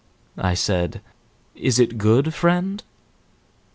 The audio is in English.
I said, "Is it good, friend?"